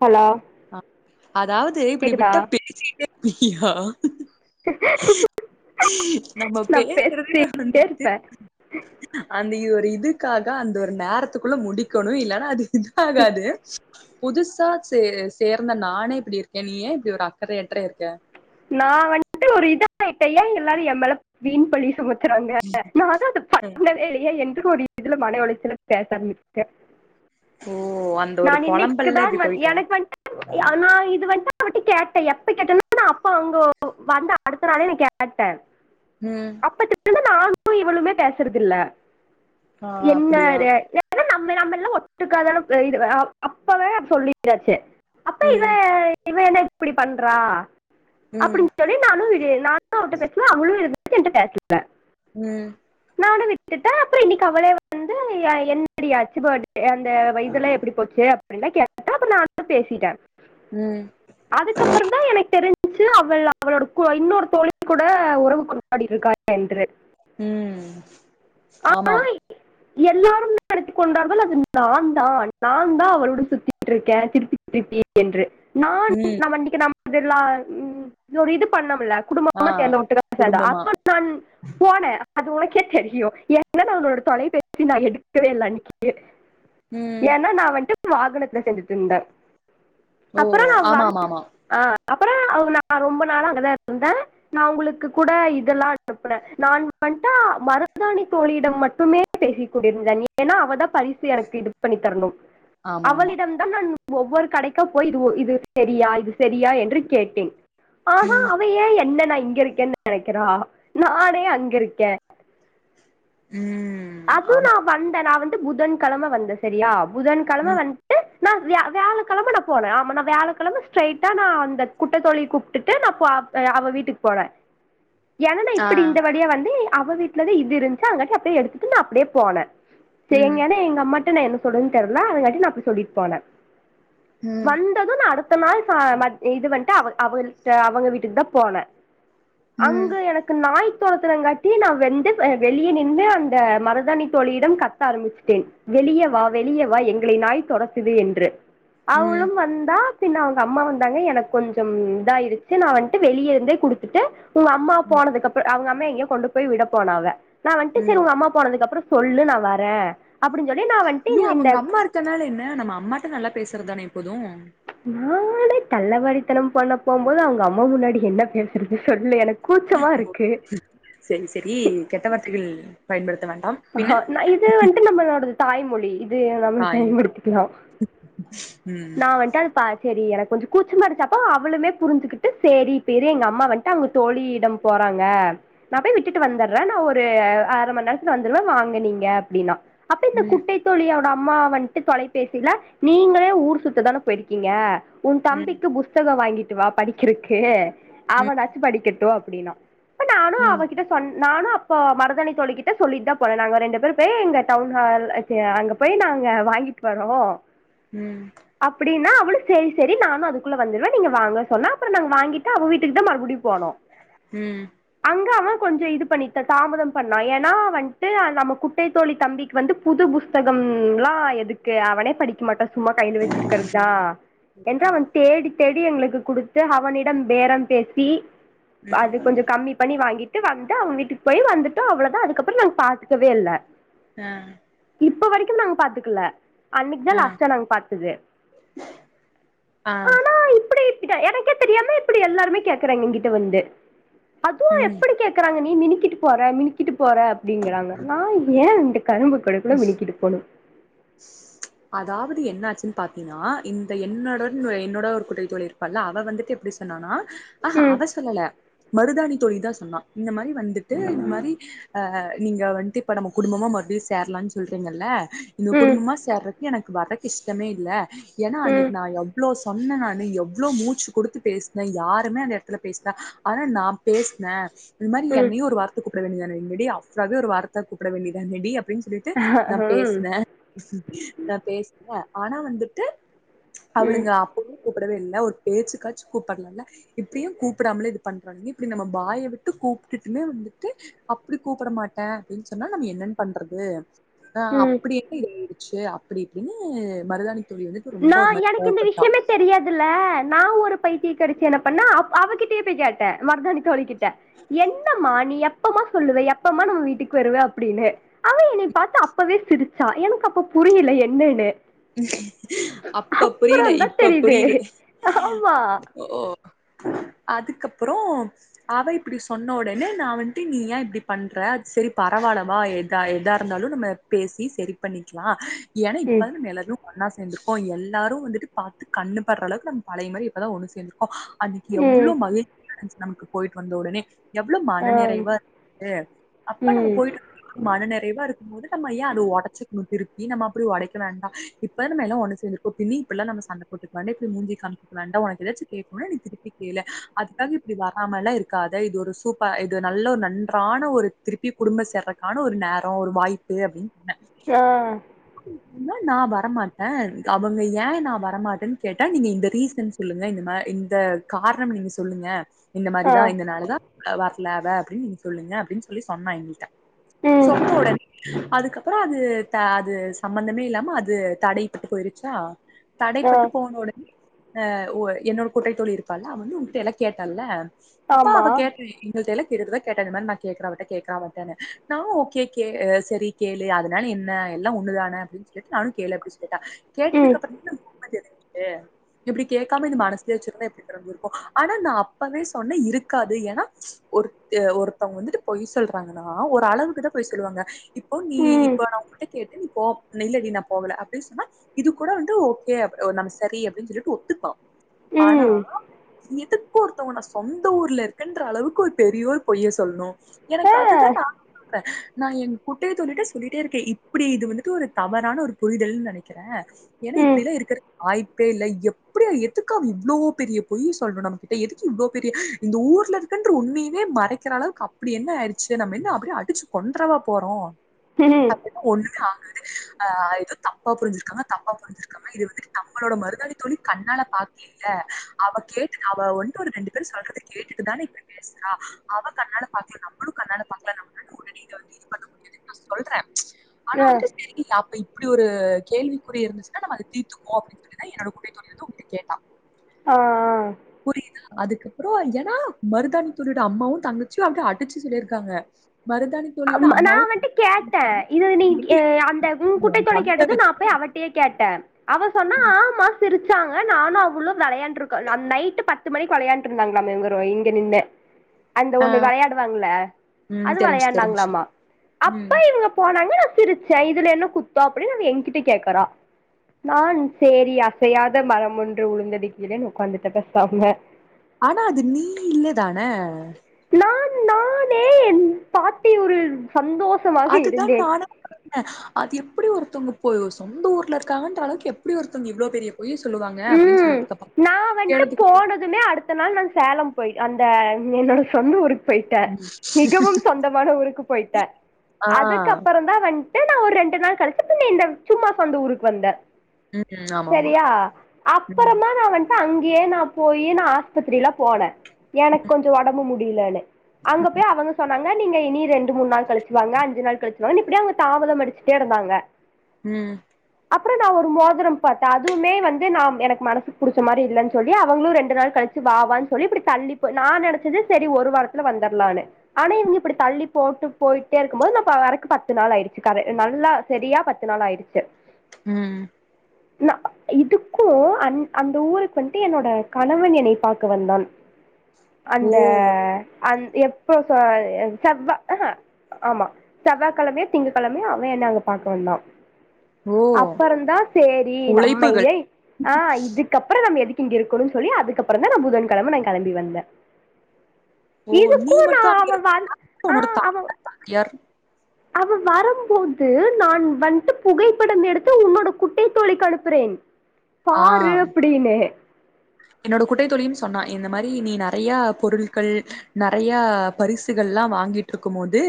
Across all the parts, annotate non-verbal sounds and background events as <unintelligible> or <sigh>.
Hello ஆஹ் அதாவது இப்படி கேக்குதா விட்டா பேசிட்டே இ இ ஹா நம்ம நா பேசிட்டே பேசுறதே வந்துட்டு இருப்பே அந்த இ ஒரு இதுக்காக டா அந்த ஒரு நேரத்துகுள்ள முடிக்கணு இல்லன்னா அது இதாகாது புதுசா சே சேர்ந்த நானே இப்படி இருக்கே நீயே இப்படி ஒரு அக்கறையற்ற இருக்க நா வன்ட்டு ஒரு இது இப்ப இத ஏ எல்லாரு எம்மேல வீண் பழி சுமத் தறாங்க நா தா அத ம் பண்ணவே இல்லையே என் <inaudible> இதுல மன உளைச்சல <inaudible> ஓ அந்த ஒரு நான் பொலம்பல்ல இன்னைக்குதான் இப்டி வன் போயிட்ட எனக்கு வன்ட்டு ஆனா இது வண்ட்டு கூட்டி கேட்டே எப்ப கேட்டாலு நா அப்ப உங்கோ வந்த அடுத்த நாளே நா கேட்டே ம் அப்ப தெர்ல நானு இவளுமே பேசறதில்ல ஆ அப்டியா என்னது என்ன நம் இன்மே நம்மெல்லா ஒட்டுக்கா தானே <unintelligible> அப்பவே அப்ப சொல்லியாச்சு அப்போ இவ ம் இவ என்ன இப்படி பண்றா ம் அப்படின்னு சொல்லி நானு இது நானு அவட்ட பேசுல அவளு இ <inaudible> உம் நானு விட்டுட்டே அப்புறோ இன்னைக்கு அவளே வந்து என்னடியாச்சு <inaudible> அந்த வ இதுல்லா எப்படி போச்சு அப்டின்னா கேட்டா அப்ப நானு பேசிட்டே ம் அதுக்கப்புறோ தா எனக்கு தெரிஞ் ச்சு அவள் அவளோட கு இன்னொரு தோழி கூட உறவு கொண்டாடிட்டு இருக்கா என்று ம் ஆமாம் எல்லாருமே <inaudible> கொண்டார்கள் அது நான் தான் நான் தா அவருடன் சுத்திட்டுருக்கே <inaudible> என்று நான் ம் <unintelligible> அதெல்லா ஒரு இது பண்ணம்ல ஆ குடும்பமா <inaudible> குடும்பமா அப்ப நான் போனே அது உழைக் க தெரியு ஏனா நா அவனோட தொலைபேசிய நா எடுக்கவே இல்ல அன்னைக்கு ம் ஏனா நா வந்ட்டு வாகனத்துல செஞ்சுட்டு இருந்த ஓ அப்புறோ நா வந்து ஆமாமாமா ஆஹ் அப்புறோ அவங்க நா ரொம்ப நாளா அங்கதா இருந்த நா உங்களுக்கு கூட இதெல்லா அனுப்பின நா வந்ட்டு மருதாணி தோழியிடம் மட்டுமே பேசி கொண்டிருந்த நீ வேணா அவதா பரிசு எனக்கு இது பண்ணித் தரணு ஆமா ஆமா அவளிடம் தான் நான் ஒவ்வொரு கடைக்கா போய் இது இது சரியா இது சரியா என்று கேட்டேன் ஆனா ம் அவைய ஏ என்ன நை இங்க இருக்கேனு நினைக்கிறா நானே அங்க இருக்க <inaudible> ம் அதுவு ஆமா நா வந்த நா வந்து புதன் கிழம வந்த சரியா புதன்கிழம ம் வந்ட்டு நா வி வியாழக்கிழம நா போன ஆமா நா வியாழக்கிழம ஸ்ட்ரைட்டா நா அந்த குட்ட தோழிய கூப்பிட்டு நா போ அவ வீட்டுக்கு போன ஏனானா ஆ இப்படி இந்த வழியா வந்து அவ வீட்டுலதா இது இருந்ச்சு அதங்காட்டி அப்படியே எடுத்து ட்டு நா அப்படியே போன ம் சேரிங்கனு எங்க அம்மா ட்ட நா என்ன சொல்லறதுனு தெரியல அதங்காட்டி நா அப்படி சொல்லிட்டு போன ம் வந்தது நா அடுத்த நாள் ச மத் இது வந்து ட்டு அவ அவல்ட்ட அவங்க வீட்டுக்குதா போன ம் அங்க எனக்கு நாய் தொரத்தினங்காட்டி நா வந்து வெளிய நின்னு அந் த மருதாணி தோழியிடம் கத்த ஆரம்பிச்சுட்டேன் வெளியவா வெளியவா எங்களை நாய் தொரத்துது என்று ம் அவளும் வந்தா பின்ன அவங்க அம்மா வந்தாங்க எனக்கு கொஞ்சம் இதாயிருச்சு நா வந்ட்டு வெளிய இருந்தே குடுத்துட்டு உங்க அம்மா ம் போனதுக்குப்புறோ அவங்க அம் மாவ எங்கயோ கொண்டு போய் விட போனா அவ செரி ம் உங்க அம்மா போனதுக்கப்புறோ சொல்லு நா வர ஏ அவங்க அம்மா இருக்கனால என்ன நம்ம அம்மாட்ட நல்லா பேசறதுதானே எப்போது நானே தள்ளவாரித்தனம் பண்ண போம்போது அவங்க அம்மா முன்னாடி என்ன பேசுறது சொல்லு எனக்கு கூச்சமா இருக்கு செரி செரி கெட்ட வார்த்தைகள் பயன்படுத்த வேண் ஆஹ் நா இது வந்ட்டு நம்மளோடது தாய்மொழி இத் இதைய நாம தாய் பயன்படுத்திக்கலா ம் சேரி எனக்கு கொஞ்சோ கூச்சமாரின்ச்சாப்போ அவளுமே புரிஞ்சுகிட்டு செரி இப்ப இரு எங்க அம்மா வந்ட்டு அங்க தோழிய இடம் போறாங்க நா போய் விட்டுட்டு வந்துடுறே நா ஒரு அரை மணிநேர வந்துருவே வாங்க நீங்க அப்டின்னா அப்ப இந்த ம் குட்டை தோழியோட அப் அம்மா வன்ட்டு தொலைபேசில நீங்களே ஊர் சுத்ததான போயிருக்கீங்க உன் ம் தம்பிக்கு புஸ்தகம் வாங்கிட் வா படிக்கிறக்கு ம் அவனாச்சு படிக்கட்டும் அப்புடினா அப்ப நானு ம் அவகிட்ட சொன் நானு அப்ப மருதனை தோழிகிட் ட்ட சொல்லிட்டு தா போரே நாங்க ரெண்டு பேரும் பேய் எங்க டவுன் ஹால் அச்ச அங்க போய் நாங்க வாங்கிட்டு வறோ ம் அப்புடின்னா அவ்லு செரி செரி நானு அதுக்குள்ள வந்துருவே நீங்க வாங்க சொன்னா அப்பறோ நாங்கள் வாங்கிட்டு அவ வீட்டுக்குத்தா மறுபடியு போனோ உம் அங்க அவன் கொஞ்சோ இது பண்ணித் தாமதம் பண்ணான் நா வன்ட்டு நம்ம குட்டை தோழி தம்பிக்கு வந்து புது புஸ்தகம்ல்லா எதுக்கு அவனே படிக்க மாட்டா சும்மா கையில வச்சிருக்கிறதுத்தா ஆ என்று அவன் தேடி செடி எங்களுக்கு குடுத்து அவனிடம் பேரம் பேசி அது கொஞ்சோ கம்மி பண்ணி வாங்கிட் ன்டு வந்துட் அவங்க வீட்டுக்கு போயி வந்துட்டோ அவ்ளோதா அதுக் அதுக்கப்பறோ நாங்க பாத்துக்கவே இல்ல ஆ இப்ப வரைக்கு நாங்க பாத்துக்கல அன்னைக்கிதா ஆ லாஸ்ட்டா நாங்க பாத்தது ஆ ஆனா இப்புடி டடா எனக்கே தெரியாம இப்புடி எல்லாருமே கேக்குறாங்க எங்கிட்ட வந்து அதுவு ம் எப்புடி கேக்குறாங்க நீ மினிக் மினிக்கிட்டு போற மினிக்கிட்டு போற அப்டிங்கறாங்க நா ஏ கரும்பு கொட கூட மினிக்கிட்டு போணு அதாவது என்ன ஆச்சுன்னு பாத்தீன்னா இந்த என்னோட என்னோட ஒரு குற்றை தோழி இருப்பாள அவ வந்துட்டு எப்புடி சொன்னானா ஆஹா ம் அவ சொல்லல மருதாணி தோழி தா சொன்னா இந்த மாதிரி வந்துட்டு இந்த மாதிரி ஆஹ் நீங்க வந்துட்டு இப்ப நம்ம குடும்பமா மறுபடியும் சேரலாம்னு சொல்றீங்கல்ல இன்னும் ம் குடும்பமா சேறதுக் எனக்கு வறக்கு இஷ்டமே இல்ல ஏன்னா ம் அன்னைக்கு நா எவ்ளோ சொன்னேன் நானு எவ்வளவு மூச்சு குடுத்து பேசினேன் யாருமே அந்த இடத்துல பேசினேன் ஆனா நா பேசினேன் இது மாதிரி ம் என்னையும் ஒரு வார்த்தக்கு வேண்டியதானடி ஆஃப்ராகவே ஒரு வார்த்தை கூப்பிட வேண்டியதானடி அப் அப்படின்னு சொல்லிட்டு நா ம் பேசினே நான் பேச்ன ஆனா வந்துட்டு ம் அவளுங்க அப்ப கூப்பிடவே இல்ல ஒரு பேச்சு காச்சும் கூப்பிடலாம்ல இப்படியும் கூப்பிடாமலே இது பண்றோங்க இப்படி நம்ம பாய விட்டு கூப்பிட்டுமே வந்துட்டு அப்டி கூப்பிட மாட்டேன் அப்படின்னு சொன்னா நம்ம என்னன்னு பண்றது ஆஹ் ம் அப்படி ச்சு அப்படி இப்படின்னு மருதாணி தோழி வந்துட்டு ரொம்ப நா ஒரு மாரி எனக்கு இந்த கோவப்பட்டா விஷயமே தெரியாதுல்ல நா ஒரு பைத்திய கிடைச்சு என்ன பண்ணா அவகிட்டே போய்கேட்ட மருதாணி தோழிக்கிட்ட என்ன மானி எப் எப்பமா சொல்லுவ எப்பமா நம்ம வீட்டுக்கு வருவ அப்படின்னு அவ என்னை பாத்து அப்பவே சிரிச்ச சா எனக்கு அப்ப புரியல என்னன்னு உம் அப்ப புரியல அப்புறந்தா இப்ப தெரியுது புரியுது ஆமா ஓ அதுக்கப்புறோ அவ இப்படி சொன்ன உடனே நான் வந்து நீ ஏன் இப்படி பண்ற அது சரி பரவாயில்வா எதா எதா இருந்தாலும் நம்ம பேசி சரி பண்ணிக்லா எனா ம் இப்பாது மேல ஒன்னா சேந்துருக்கோ எல்லாரும் வந்துட்டு பாத்து கண்ணுபடுறளவுக்கு நம் பழைய மாரி இப்பதா ஒன்னு சேர்ந்துக்கோ அதுக்கு ம் எவ்ளோ மகிழ்ச்சியா நமக்கு போயிட்டு வந்த உடனே எவ்ளோவு ஆ மன நிறைவா இருந்தா அப்ப நம்ம ம் போயிட்டு மனநிற நிறைவா இருக்கும் போது நம்ம ஏன் அத உடைச்சுக்கணும் திருப்பி நம்ம அப்டி உடைக்க வேண்டா இப்ப நம்மெல்லாம் ஒன்னு சேர்ந்திருக்கோ பின்னி இப்பல்லா நம்ம சண்ட போட்டுக் <unintelligible> இப்படி மூஞ்சி காமிக் வேண்டா உனக்கு எதாச்சும் கேட்குனு நீ திருப்பி கேளு அதுக்காக இப்படி வராமல்லா இருக்காத இது ஒரு சூப்பர் இது நல்ல ஒரு நன்றான ஒரு திருப்பி குடும்ப சேர்றக்கான ஒரு நேரோ ஒரு வாய்ப்பு அப்டின்னு சொன்னே ஹ ன்னா நா வர வர மாட்டே அவுங்க ஏன் நான் வரமாட்டேன்னு கேட்டே நீங்க இந்த ரீசன் சொல்லுங்க இந்த மா இந்த காரணம் நீங்க சொல்லுங்க இந்த ஆ மாரிதா இத நாள் தா வர்ல அவ அப்டின்னு நீங்க சொல்லுங்க அப்டின்னு சொல்லி சொன்னா எங்கீட்ட ம் சொன்னா ஒடனே அதுக்கப்பற அது அது சம்பந்தமே இல்லாம அது தடைபட்டு போயிருச்சா ஆ தடைப்பட்டு போன உடனே ஆ உ என்னோட குட்டைத்தோழி இருப்பாள்ள அவன் வந்து உங்கிட்ட எல்லாம் கேட்டால அப்ப ஆமா அவ கேட்டா எங்க தெர்ல இதுக்குதா கேட்டே இந்த மாரி மாரி கேக்குற அவட்ட கேக்குற அவட்டனு நா ஒகே கே செரி கேளு அதுனால என்ன எல்லா ஒன்னு தான அப்டினு சொல்ட்டு நானு கேளு அப்டி சொல்ட் கேட்டா கேட்டதுக்கு ம் அப்பறந்தா உண்ம தெரிஞ்சிது டு எப்டி கேட்காம இந்த மனசுலயே வச்சிருந்தா எப்டி தெரிஞ்ச்சிருக்கும் ஆனா நா அப்பவே சொன்ன இருக்காது ஏன்னா ஒரு ஒருத்தவங்க வந்துட்டு பொய் சொல்றாங்கன்னா ஒரு அளவுக்குதா பொய் சொல்லுவாங்க இப்போ நீ ம் இப்ப நா உங்கிட்ட கேட் நீ போப் இல்லடி நா போகல அப்டி சொன்னா இது கூட வந்து ஓகே நம்ம சரி அப்டின்னு சொல்லிட்டு ஒத்துப்பா ஆனா ம் இது ஒருத்தவங்க நா சொந்த ஊர்ல இருக்கன்ற அளவுக்கு ஒரு பெரிய பொய்ய சொல்ணும் ஆ எனக்கு அதுதா நானு பாக்றே நா எங்க குட்டைய தோழிட்ட சொல்லிட்டே இருக்கே இப்டி இது வந்துட்டு ஒரு தவறான ஒரு புரிதல்னு பண்ணிக்கிறே ஏன்னா ம் இப்படில்லா இருக்கற வாய்ப் பே இல்ல எப்படி எதுக்கு அவ இவ்ளோ பெரிய பொய் சொல்னும் நம்ம கிட்ட எதுக்கு இவ்வளவு பெரிய இந்த ஊர்ல இருக்கன்ற உன்னையமே மறைக்கிற அளவுக்கு அப்டி என்ன ஆயிருச்சு நம்ம என்ன அப்டியே அடிச்சு கொண்டறவா போறோம் ம் அப்பல்லா ஒன்னுமே ஆகாது ஆ எதோ தப் தப்பா புரிஞ்சிருக்காங்க தப்பா புரிஞ்சிருக்காங்க இது வந்து நம்மளோட மருதாணி தோழி கண்ணால பாக்கில்ல அவ கேட்டுட்டு அவ வந்து ஒரு ரெண்டு பேரும் சொல்றது கேட்டுட்டு தானே இப்டி பேசுறா அவ கண்ணால பாக்கலா நம்மும் கண்ணால பாக்கலா நம்மனால உடனே இத வந்து இது பண்ண முடியாதுன்னு நா சொல்றே ஆனா ஆ வந்துட்டு செரி அப்டினு ப்டி ஒரு கேள்விக்குறி இருந்துச்சுனா நம்ம அத தீத்துக்வோ அப்டின்னு சொல்லி தா என்னோட குட்டை தோழி வந்து உங்கிட்ட கேட்டா ஆ ஆ புரியுதா அதுக்கப்றோ ஏன்னா மருதாணி தோழியோட அம்மாவு தங்கச்சியு அங்க அடிச்சு சொல்லிருக்காங்க மருதாணி தோழியோட அம் நா அம்மாவும் அவன்ட்ட கேட்டே இது நீ கே அந்த உன் குட்டைத் தோழி கேட்டது நா அப்பயே அவட்டயே கேட்டே அவ சொன்னா ஆமா சிரிச் சாங்க நானு அவளு வெளையாண்ட் ருக்கோ நைட்டு பத்து மணிக்கு வெளையாண்ட் ருந்தாங்ளாம இங்க நின்னு அந்த ஆ ஒண்ணு வெளையாடுவாங்ள ம் அது தெரிஞ்சுச்சு தெரிஞ்சுச்சு. விளையாட்னாங்ளாமா அப்ப ம். இவங்க போனாங்க நா சிரிச்சே இதுல என்ன குத்தோ அப்டின்னு அவ என்கிட்ட கேக்கறா நா சேரி அசையாத மரம் ஒன்று உளுந்ததுக்கீழேன்னு உட்காந்துட்ட பேசாம ஆனா அது நீ இல்லதான நான் நானே என் பாட்டி ஒரு சந்தோஷமாக அதுதா இருந்தேன் நானு அது எப்டி ஒருத்தவங்க போ சொந்த ஊர்ல இருக்காங்கன்ற அளவுக்கு எப்டி ஒருத்தவங்க இவ்ளோ பெரிய பொய்ய சொல்லுவாங்க அப்டின்னு ம் சொல்லிட்டு இருக்கப்பா நா வன்ட்டு கேட்டதுக்கு போனதுமே அடுத்த நாள் நா சேலம் போய் அந்த என்னோட சொந்த ஊரு போயிட்ட ம் மிகவும் சொந்தமான ஊருக்கு போய்டே ஆ அதுக் அப்பறந் தா வண் நா ஒர் ரெண்டு நாள் களிச்சு பின்ன இந்த சும்மா சொந்த ஊருக்கு வந்தே ம் ஆமா மா சரியா அப்பறமா நா வன் அங்யே நா போயி நா ஆஸ்பத்திரிலா போன எனக் கொஞ்சொ ஒடம்பு முட் <unintelligible> அங்க போய் அவங்க சொன்னாங் நீங்க இனி ரெண்டு மூன் நாள் களிச்சு வாங்க அஞ்சு நாள் களிச்சுவாங்கனு இப்டியே அவங்க தாமத மடிச்சுட்டே ருந்தாங்க ம் அப்ற நா ஒரு மோதரம் பாத்தே அதுவுமே வந் நா எனக்கு மனசுக்கு புடிச்ச மாரி இல்லன் சொல்லி அவங்ளு ரெண்டு நாள் கழிச்சு வாவான் சொல்லி இப்டி தள்ளி போ நா நெனச்சது செரி ஒரு வாரத்துல வந்தர்லானு ஆனா இவ்ங்க இப்டி தள்ளி போட்டு போயிட்டே இருக்கும் போது ந போ வறக்கு பத்து நாள் ஆயிடுச்சு கத நல்லா செரியா பத்து நாள் ஆயிடுச்சு ம் நா இது க்கு அந் அந்த ஊருக்கு வண்ட்டு என்னோட கணவன் என்னை பாக்க வந்தான் ஓ அந்த அ எப்ப செவ்வா அஹ ஆமா செவ்வாகிழமை திங்ககிழமையு அவன் என்ன அங்க பாக்க வந்தான் ஓ அப்பறந்தான் சேரி உழைப்புகள் நம்மயே ஆ இதுக்கப்பற நம்ம எதுக்கு இங்க இருக்கனு சொல்லி அதுக்கப்புறம் தான் நான் புதன்கிழம நான் கெளம்பி வந்தேன் ஓ நீ இதுக்கும் மட்டு நான் அங்க அவன் வந் இருக்க ஆ உன்னோட அவ தாயார் அவன் வரும் போது நான் வந்து புகைப்படம் எடுத்து உன்னோட குட்டை தோழிக்கு அனுப்புறேன் ஆ பாரு அப்டினே என்னோட குட்டைத்தோழின்னு சொன்னா இந்த மாரி நீ நிறைய பொருட்கள் நிறைய பரிசுகள்ல்லாம் வாங்கிட்டு இருக்கும் போது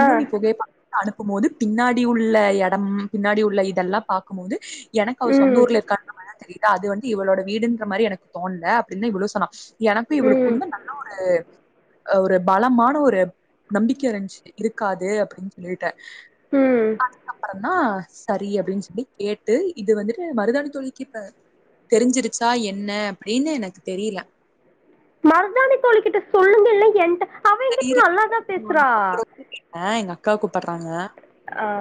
ஆ நீ போகைப அனுப்பும் போது பின்னாடி உள்ள எடம் பின்னாடி உள்ள இதெல்லாம் பாக்கும் போது எனக்கு அவ சொந்த ம் ஊர்ல இருக்காங்க மாரி தெரியி அது வந்து இவளோட வீடுன்னு மாரி எனக்கு தோன்ல அப்படின்னு இவ்ளு சொன்னா எனக்கு ம் இவளுக்குதா நல்ல ஒரு ஒரு பலமான ஒரு நம்பிக்க இருந்ச்சு இருக்காது அப்டின் சொல்லி ட்டு ம் அதுக்கப்ற என்னா சரி அப்டின் சொல்லி கேட்டு இது வந்துட்டு மருதாணி தோழிக்கு இப்ப தெரிஞ்சிருச்சு தா என்ன அப்டின்னு எனக்கு தெரியல மருதாணி தோழிக்கிட்ட சொல்லுங்க இல்ல என்ட இரு அப்ற கூப்பிட்ற எங்க அக்கா கூப்பட்றாங்க ஆ